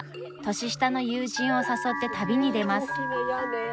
年下の友人を誘って旅に出ます。